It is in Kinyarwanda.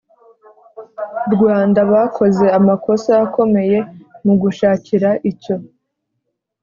rwanda bakoze amakosa akomeye mu gushakira icyo